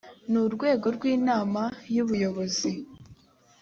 n urwego rw inama y ubuyobozi